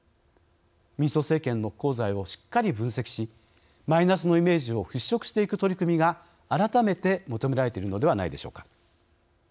民主党政権の功罪をしっかり分析しマイナスのイメージを払しょくしていく取り組みが改めて求められているのではないでしょうか。